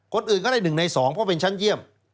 คนอื่นก็ได้๑ใน๒เพราะเป็นชั้นเยี่ยม